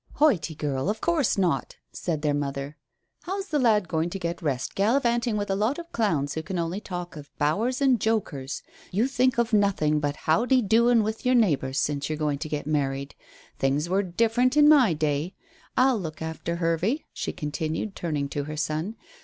"Hoity, girl, of course not," said their mother. "How's the lad going to get rest gallivanting with a lot of clowns who can only talk of 'bowers' and 'jokers'? You think of nothing but 'how de doin' with your neighbours since you're going to be married. Things were different in my day. I'll look after Hervey," she continued, turning to her son.